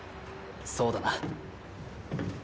そうだな。